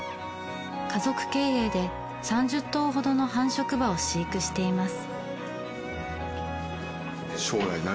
家族経営で３０頭ほどの繁殖馬を飼育しています。